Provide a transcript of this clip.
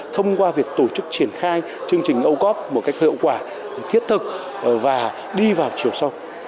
thông qua việc tổ chức triển khai chương trình âu cóp một cách hiệu quả thiết thực và đi vào chiều sâu